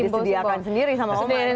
oh itu sudah disediakan sendiri sama oma